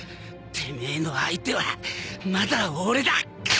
てめえの相手はまだ俺だ。